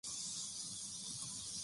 阿夫里耶莱蓬索人口变化图示